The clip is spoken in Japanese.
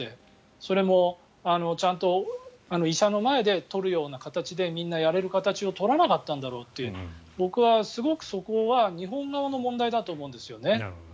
それもちゃんと医者の前で採るような形でみんなやれるような形を取らなかったんだろうと僕はすごくそこは日本側の問題だと思うんですよね。